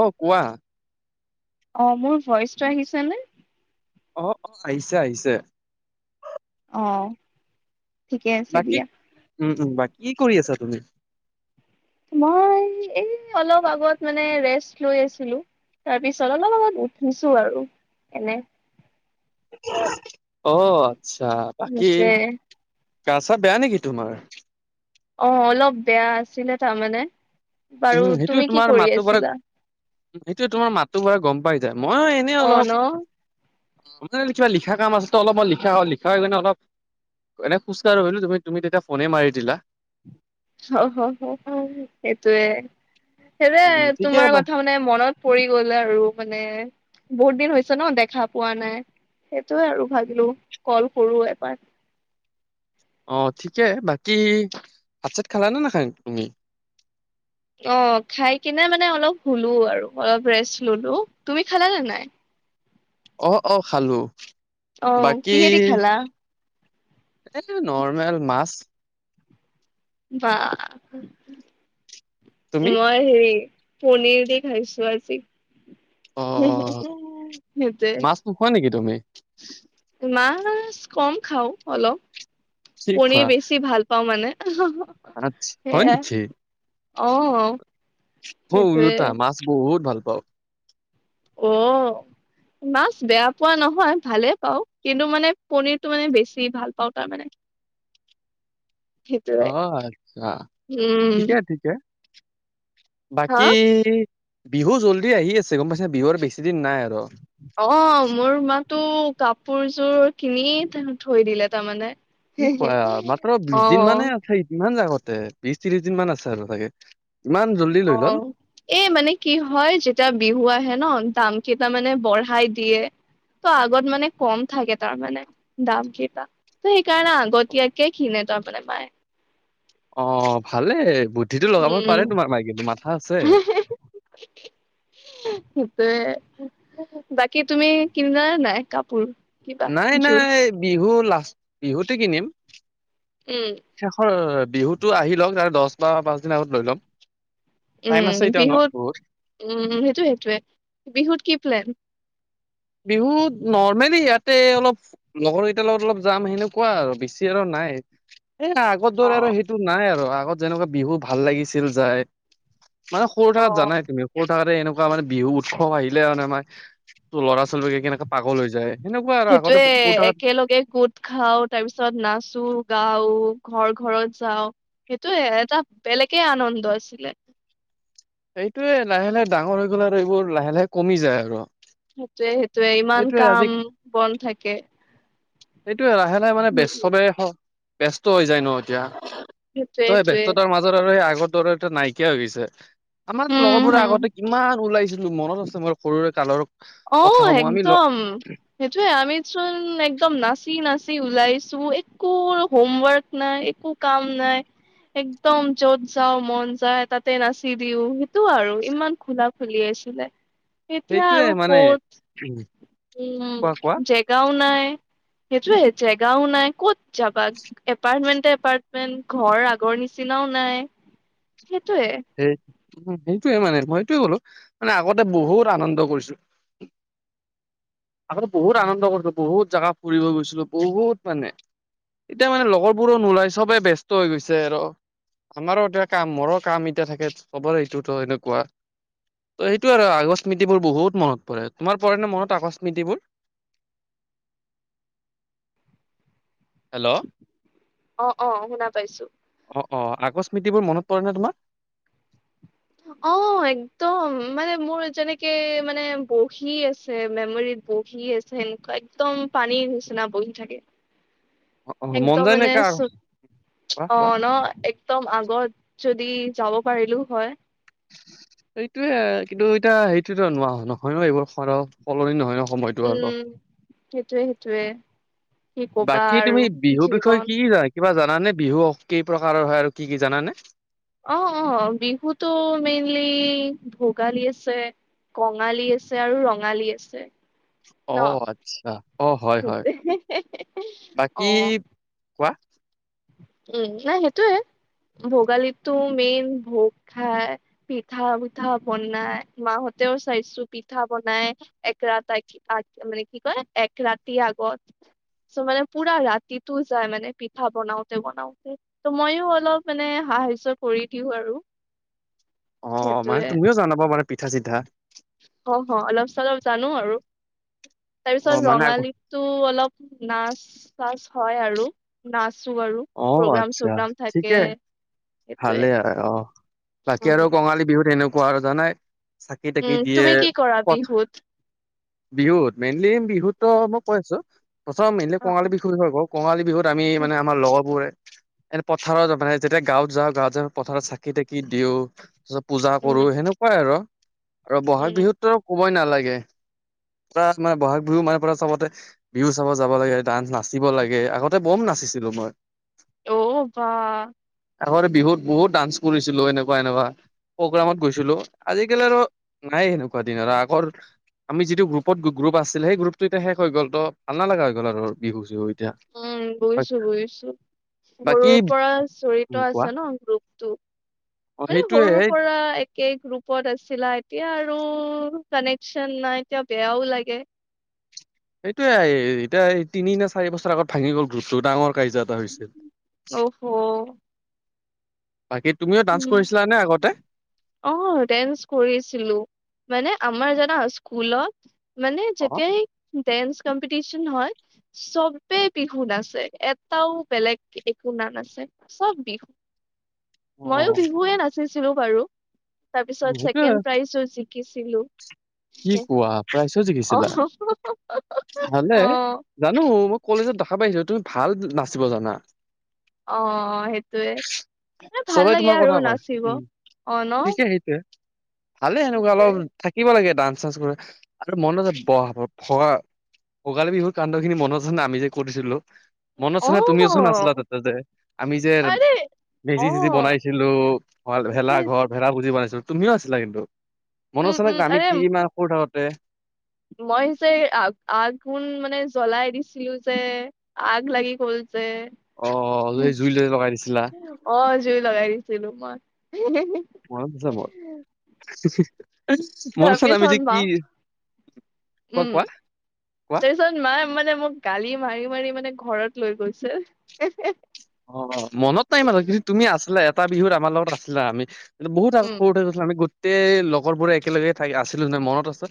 অ কোৱা। অ মোৰ ভইচটো আহিছেনে? অ অ আহিছে আহিছে। অঁ। বাকী উম উম, বা কি কৰি আছা তুমি? মই এই অলপ আগত মানে ৰেষ্ট লৈ আছিলো। তাৰপিছত অলপ আগত উঠিছো আৰু এনে। অ আচ্ছা! বাকী যে গা চা বেয়া নেকি তোমাৰ? অ অলপ বেয়া আছিলে তাৰমানে, বাৰু উম সেইটো তুমি কি তোমাৰ কৰি মাতো পৰা আছিলা? সেইটোৱে তোমাৰ মাতটো পৰা গম পাই যায়। মই এনেই অ ন অলপ মান কিবা লিখা কাম আছে ত অলপমান লিখা হয় লিখা হয়নে অলপ এনে খোজ কাঢ়ো ভবিলো তুমি তুমি তেতিয়া ফনে মাৰি দিলা। [unintelligible] সেইটোৱে সেইটোৱে উম ঠিকে তোমাৰ বা কথা মানে মনত পৰি গ'ল আৰু মানে বহুত দিন হৈছে ন দেখা পোৱা নাই। সেইটোৱে আৰু ভাবিলো কল কৰো এবাৰ। অঁ ঠিকে বাকী ভাত চাত খালা নে নাখায় তুমি? অঁ খায় কিনে মানে অলপ শুলো আৰু অলপ ৰেষ্ট ললো। তুমি খালা নে নাই? অহ অ খালো। অঁ কিহেদি খালা? এইটো নৰ্মেল মাছ। বা তুমি মই হেৰি, পনীৰ দি খাইছো আজি। অ সেইটোৱে। মাছ নোখোৱা নেকি তুমি? মাছ ক'ম খাও অলপ। কি পনীৰ বেছি ভাল পাও মানে। আটচা হয় সেয়া নেকি? অ মই সেইটোৱে উলোটা মাছ বহুত ভাল পাওঁ। অ'। মাছ বেয়া পোৱা নহয় ভালে পাওঁ। কিন্তু মানে পনীৰটো মানে বেছি ভাল পাওঁ তাৰমানে। সেইটোৱে অ', আচ্ছা, উম ঠিকে ঠিকে। হা বাকী বিহু জল্দি আহি আছে গ'ম পাইছা নে? বিহু আৰু বেছি দিন নাই আৰু। অ', মোৰ মাতো কাপোৰযোৰ কিনি থৈ দিলে তাৰমানে। কি কোৱা মাত্ৰ অ বিশ দিন মানে আছে, ইমান আগতে বিশ ত্ৰিশ দিন মান আছে আৰু চাগে। ইমান জল্দি। লৈ ল'ল অ'। এ মানে কি হয়, যেতিয়া বিহু আহে ন' দাম কেইটা মানে বঢ়াই দিয়ে। ত' আগত মানে ক'ম থাকে তাৰ মানে। দাম কেইটা ত' সেইকাৰণে আগতিয়াকে কিনে তাৰমানে মায়ে। অ', ভালে বুদ্ধিটো লগাব উম পাৰে তোমাৰ মায়ে কিন্তু, মাথা আছে। [inaudible] সেইটোৱে, বাকী তুমি কিনালা নে নাই কাপোৰ? কিবা নাই জোৰ নাই বিহু লাষ্ট বিহুতে কিনিম। উম। শেষৰ বিহুতো আহি লওক তাৰে দহ বা পাঁচ দিন আগত লৈ ল'ম। উম টাইম আছে এতিয়াও ন' বিহুত বহুত? উম, সেইটোয় সেইটয়ে, বিহুত কি প্লেন? বিহুতে নৰ্মেলি ইয়াতে অলপ লগৰ কেইটাৰ লগত অলপ যাম সেনেকুৱা আৰু বেছি আৰু নাই এ আগৰ অ দৰে আৰু সেইটো নাই আৰু আগত যেনেকুৱা বিহুত ভাল লাগিছিল যায়। মানে সৰু থাকাত অ জানাই তুমি সৰু থাকাতে এনেকুৱা মানে বিহু উৎসৱ আহিলে মানে আমাৰ ল'ৰা-ছোৱালী বিলাকে কেনেক পাগল হৈ যায়। সেনেকুৱা আৰু আগতে সেইটোয়ে সৰু থাকাত একেলগে গোট খাও তাৰ পিছত নাচো, গাও ঘৰ ঘৰত যাও। সেইটোৱে এটা বেলেগে আনন্দ আছিলে। সেইটোয়ে লাহে লাহে ডাঙৰ হৈ গ'ল আৰু এইবোৰ লাহে লাহে কমি যায় আৰু। সেইটোয়ে সেইটোয়ে ইমান সেইটোয়ে আজি কাম বন থাকে। সেইটোয়ে লাহে লাহে মানে উম উম চবে ব্যস্ত হৈ যায় ন' এতিয়া। সেইটোয়ে ত' সেই সেইটোয়ে ব্যস্ততাৰ মাজত আৰু সেই আগৰ দৰে [unintelligible] নাইকিয়া হৈ গৈছে। আমাৰ উম লগৰবোৰে হম আগতে কিমান ওলাইছিলো মনত আছে মোৰ সৰুৰে কালৰ। অ', কথাসমূহ আমি লগ একদম। সেইটোয়ে আমিচোন একদম নাচি নাচি ওলাইছো একো হোমৱৰ্ক নাই একো কাম নাই একদম য'ত যাওঁ মন যায় তাতে নাচি দিও। সেইটো আৰু ইমান খোলা খুলি আছিলে। এতিয়া সেইটোয়ে আৰু মানে ক'ত উম, কোৱা কোৱা জেগাওঁ নাই, সেইটোৱে সেইটোৱে, জেগাওঁ কত যাব এপাৰ্টমেন্টে এপাৰ্টমেন্ট, ঘৰ আগৰ নিচিনাওঁ নাই, সেইটোৱে। সেই, উ সেইটোয়ে মানে মই সটোয়ে ক'লো মানে আগত বহুত আনন্দ কৰিছো। আগতে বহুত আনন্দ কৰিছিলো, বহুত জেগা ফুৰিব গৈছিলো, বহুত মানে। এতিয়া মানে লগৰবোৰো নোলাই চবে ব ব্যস্ত হৈ গৈছে আৰু। আমাৰো এতিয়া কাম, মোৰো কাম এতিয়া থাকে, চবৰে এইটোতো সেনেকুৱা। ত' সেইটো আৰু, আগৰ স্মৃতিবোৰ বহুত মনত পৰে, তোমাৰ পৰে নে মনত আগস্মৃতিবোৰ? হেল্ল '। অ', অ', শুনা পাইছোঁ। অ', অ', আগস্মৃতিবোৰ মনত পৰে নে তোমাৰ? অ', একদম, মানে মোৰ যেনেকে মানে বহি আছে, মেমৰিত বহি আছে সেনেকুৱা, একদম পানীৰ নিচিনাই বহি থাকে। অ অ মন একদম যায় নে মানে, কা চ' কোৱা কোৱা অ' ন। একদম আগত, যদি যাব পাৰিলো হয়। এইটোয়ে, কিন্তু এতিয়া সেইটোতো [unintelligible] নহয় ন, সলনি নহয়। সময়টো আৰু। উম, সেইটোৱে সেইটোৱে। বাকী, তুমি বিহু বিষয়ে কি কিবা জানা নে, বিহু কেই প্ৰকাৰৰ হয়, আৰু কি কি জানানে? অ', অ', বিহুতো মেইনলি ভোগালী আছে কঙালী আছে আৰু, ৰঙালী আছে। অ ন' আচ্ছা অ হয় হয় [unintelligible] বাকী অ'। কোৱা। উম, নাই সেইটোৱে, ভোগালীতটো মেইন ভোগ খাই পিঠা, পিঠা বনাই, মাহঁতেও চাইছো, পিঠা বনাই এক ৰাত আগ আগ, মানে কি কয় এক ৰাতি আগত চ' মানে পুৰা ৰাতিতো যায় মানে পিঠা বনাওঁ বনাওঁতে বনাঁওতে, ত' মইও অলপ মানে সাহায্য কৰি দিওঁ আৰু অ', মানে সেইটোয়ে তুমিও জনা বনাব মানে পিঠা চিঠা। অ', হয়, অলপ চলপ জানো আৰু, অ তাৰপিছত মানে আকৌ ৰঙালী টো, অলপ নাচ চাচ হয় আৰু, নাচো আৰু অ প্ৰ'গ্ৰাম আচ্ছা চোগ্ৰাম ঠিকে থাকে। সেইটোৱে ভালে অ', বাকী আৰু উম কঙালী বিহুত কেনেকুৱা আৰু জানাই। চাকি তাকি উম দিয়ে, তুমি কি কৰা পথ বিহুত বিহুত মেইনলি বিহুত ত', মই কৈ আছো প্ৰথম মেইনলি অ কঙালী অ বিহু কঙালী বিহুত আমি উম মানে আমাৰ লগৰবোৰে, এনে পথাৰত মানে যেতিয়া গাঁৱত যাওঁ, গাঁৱত যাই পথাৰত চাকি তাকি দিওঁ, তাৰপিছত পূজা কৰো উম সেনেকুৱাই আৰু আৰু বহাগ উম। বিহুততো ক'বই নালাগে, [unintelligible] মানে বহাগ বিহু মানে চবতে বিহু চাব যাব লাগে, তাত নাচিব লাগে, আগতে বম নাচিছিলো মই। অ', বা। আগতে বিহুত বহুত ডান্স কৰিছিলো এনেকুৱা, এনেকুৱা। প্ৰগ্ৰামত গৈছিলোঁ, আজিকালি আৰু নাই সেনেকুৱা দিয়া, আৰু আগৰ আমি যিটো গ্ৰুপত গ্ৰুপ আছিলে, সেই গ্ৰুপটো এতি শেষ হৈ গ'ল ত' ভাল লগা হৈ গ'ল আৰু বিহু চিহু। এতিয়া উম হয় বুজিছো বুজিছো, বাকী সৰুৰ পৰা জৰিত ত' কোৱা আছে ন গ্ৰুপটো, অ মানে সৰুৰ সেইটোয়ে পৰা সেই পুৰা একে গ্ৰুপত আছিলা, এতিয়া আৰু কানেকচন নাই, এতিয়া বেয়াও লাগে। এইটোয়ে এতিয়া এই তিনি নে চাৰি বছৰ আগত ভাঙি গ'ল ধ্ৰুটো ডাঙৰ কাজিয়া এটা হৈছিল। অহ হো। বাকী তুমিও ডান্স উম কৰিছিলা নে আগতে? অ ডেন্স কৰিছিলো, আমাৰ জানা স্কুলত মানে অ', যেতিয়াই ডেন্স কম্পিটিশন হয় চবে বিহু নাচে এটাও বেলেগ একো ন নাচে চব বিহু মইো অ', বিহুৱে নাচিছিলো বাৰু তাৰপিছত সেইটোয়ে ছেকেণ্ড প্ৰাইজো জিকিছিলো। কি কোৱা প্ৰাইজো জিকিছিলা ভালে। [unintelligible] অ আহ জানো মই কলেজত দেখা পাইছো তুমি ভাল নাচিব জানা। অ সেইটয়ে, মানে ভাল চবে লাগে তোমাৰ আৰু কথা কয়। নাচিব উম, অ ন। ঠিকে সেইটোয়ে, ভালে সেনেকুৱা অলপ সেইটোৱে থাকিব লাগে ডান্স-চান্স কৰি আৰু [unintelligible] ভোৱা ভোগালী বিহুৰ কাণ্ড খিনি মনত আছে নে আমি যে কৰিছিলোঁ। মনত আছে অ নে তুমিওচোন আছিলা তাতে যে আমি যে আৰে অ মেজি-চেজি বনাইছিলো ভ ভেলা সেইটোৱে ঘৰ, ভেলা পুজি বনাইছিলোঁ। তুমিও আছিলা কিন্তু, মনত উম আছেনে উম আমি আৰে কিনা মান সৰু থাকোঁতে মই যে আ-আগুণ মানে জ্বলাই দিছিলো যে। আগ লাগি গ'ল যে। অ লৈ জুই ল লগাই দিছিলা। অ জুই লগাই দিছিলো মই। মনত আছে মোৰ। [unintelligible] মনত আছে নাই আমি তাৰপিছত যে মা কি, কোৱা কোৱা কোৱা। পাছত মায়ে মানে মোক গালি মাৰি মাৰি মানে ঘৰত লৈ গৈছিল। অ মনত নাই ইমানো কিন্তু তুমি আছিলা এটা বিহুত আমাৰ লগত আছিলা আমি কিন্তু বহুত আৰু উম সৰুতে আমি গোটেই লগৰ বোৰে একেলগে থাক আছিলো নে মনত আছে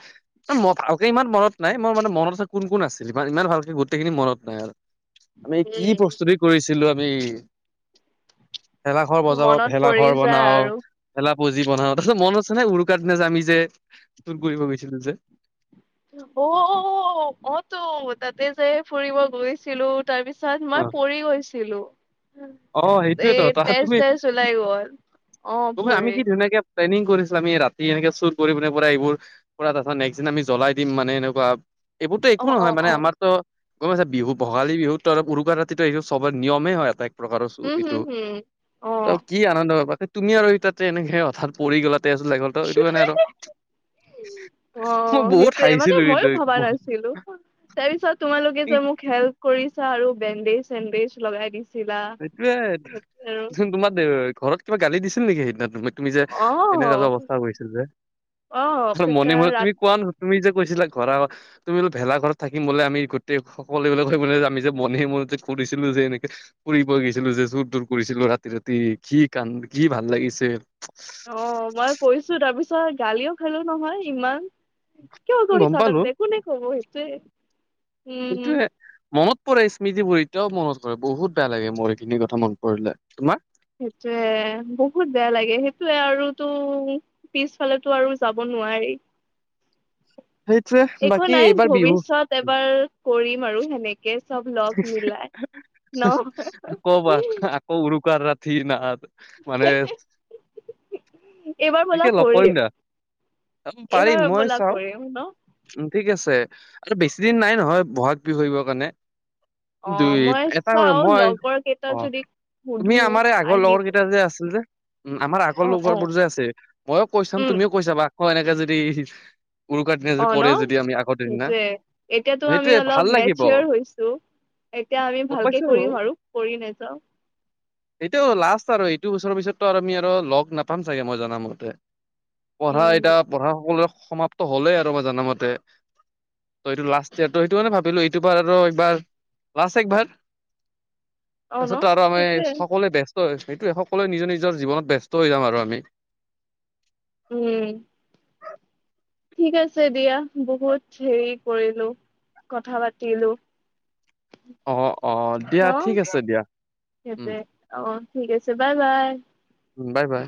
মই ভালকে ইমান মনত নাই মোৰ মানে মনত আছে কোন কোন আছিল। ইমান ইমান ভালকে গোটেইখিনি মনত নাই আৰু। আমি কি উম প্ৰস্তুতি আমি ভেলাঘৰ বজাও মনত পৰি ভেলাঘৰ যায় বনাও আৰু ভেলা পুজি বনাও, তাৰপিছত মনত আছে নে উৰুকাৰ দিনা যে আমি যে চুৰ কৰিব গৈছিলো যে। অ-অ-অহ-অহতো তাতে যে ফুৰিব গৈছিলো, তাৰ পিছত অ মই পৰি গৈছিলো। অ', সেইটোয়েতো এই তাত তুমি তেজ-চেজ ওলাই গ'ল, অহ তুমি আমি কি ভৰি। ধুনীয়াকে প্লেনিং কৰিছিলো আমি ৰাতি এনেকে চুৰ কৰি পিনে পুৰা এইবোৰ পৰা তাৰপিছত নেক্সট দিনা আমি জলাই দিম মানে এনেকুৱা, এইবোৰতো অ একো অ নহয় মানে অ আমাৰতো গম পাইছা বিহু ভোগালী বিহুতো আৰু উৰুকা ৰাতিটো এইটো চবৰে নিয়মে হয় এটা প্ৰকাৰৰ চোৰ উম হম এইটো, হম অ তো কি আনন্দ তাতে তুমি আৰু তাতে এনেকে হঠাৎ পৰি গ'লা তেজ ওলাই গ'ল ত এইটো কাৰণে আৰ মই অ', বহুত সেইটোয়ে মানে হাঁহিছিলোঁ ময়ো ভবা এইটোত নাছিলো। তাৰপিছত তোমালোকে যে মোক হেল্প কৰিছা আৰু বেণ্ডেজ-চেণ্ডেজ লগাই দিছা সেইটোয়েই, তোমাৰ ঘৰত কিবা গালি দিছিল নেকি সেইদিনা তুমাক? তুমি যে এনেকুৱা যে অ', অৱস্থা হৈছিল যে, অ', কেকা মনে মনে ৰাত তুমি কোৱা নহয় তুমি যে কৈছিলা ঘৰ তুমি বোলে ভেলা ঘৰত থাকিম বোলে আমি গোটেই সকলোবিলাক যে আমি যে মনে মনে যে ফুৰিছিলো যে এনেকে ফুৰিব গৈছিলো যে চোৰ-থুৰ কৰিছিলো ৰাতি ৰাতি কি কান কি ভাল লাগিছিল। অহ মই কৈছো তাৰপিছত গালিও খালো নহয় ইমান কিয় গম গৈছা পালো তাতে কোনে কব সেইটোৱে এইটোৱে। মনত পৰে স্মৃতিবোৰ এতিয়াও মনত পৰে বহুত বেয়া লাগে মোৰ এইখিনি কথা মনত পৰিলে, তোমাৰ? সেইটোয়ে, বহুত বেয়া লাগে আৰুতো পিছফালেটো আৰু যাব নোৱাৰি। সেইটোৱে একো বাকী নাই এইবাৰ বিহু ভৱিষ্যত এবাৰ কৰিম আৰু সেনেক কে চব লগ মিলায়, ন? অহ উৰুকাৰ ৰাতি না মানে এইবাৰ ব'লা ঠিকে লগ কৰিম দিয়া, এইবাৰ পাৰিম মই ব'লা চাও কৰিম ন? উম ঠিক আছে আৰু বেছি দিন নাই নহয় বহাগ বিহু আহিবৰ কাৰণে। অ' দুই মই এটা চাও কৰিম মই, লগৰ কেইটা অহ যদি তুমি সুধো আমাৰ এই আগৰ আহিব, লগৰ কেইটা যে আছিল যে উম আমাৰ আগৰ অ' অ' লগৰবোৰ যে আছে ময়ো কৈ চাম উম, তুমিও কৈছাবা আকৌ এনেকে যদি উৰুকাৰ দিনা যদি অ' ন? কৰে যদি আমি আগৰ দিনা, সেইটোয়ে, এতিয়াতো আমি সেইটোয়ে অলপ ভাল লাগিব। মেচিয়ৰ হৈছো, এতিয়া আমি ভালকে পাইছো কৰিম আৰু পৰি নাযাওঁ। এইটোও লাষ্ট আৰু এইটো বছৰৰ পিছতটো আৰু আমি আৰু লগ নাপাম চাগে মই জানামতে। পঢ়া উম, এতিয়া পঢ়া সকলোৰে সমাপ্ত হ'লেই আৰু মই জানা মতে। তো এইটো লাষ্ট ইয়াৰ ল, ত সেইটো কাৰনে ভাবিলো এইটো বাৰ আৰু একবাৰ লাষ্ট একবাৰ অ' ন? তাৰপিছতটো আৰু আমি সেইটোয়ে, সকলোৱে ব্যস্ত টো সেইটোৱে সকলোৱে নিজৰ নিজৰ জীৱনত ব্যস্ত হৈ যাম আৰু আমি। উম ঠিক আছে দিয়া বহুত হেৰি কৰিলো, কথা পাতিলো। অহ অহ দিয়া ন? ঠিক আছে দিয়া উম। অহ ঠিক আছে বাই বাই। উম বাই বাই।